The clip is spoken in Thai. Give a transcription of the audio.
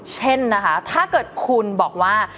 เช่นนะคะถ้าเกิดคุณบอกว่า